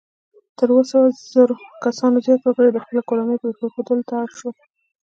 تر اووه سوه زره کسانو زیات وګړي د خپلو کورنیو پرېښودلو ته اړ شول.